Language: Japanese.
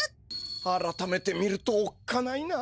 あらためて見るとおっかないな。